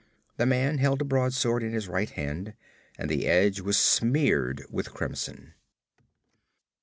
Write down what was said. The man held a broadsword in his right hand, and the edge was smeared with crimson.